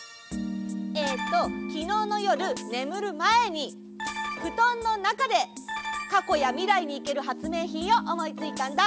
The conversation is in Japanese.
えっときのうのよるねむるまえにふとんのなかでかこやみらいにいけるはつめいひんをおもいついたんだ！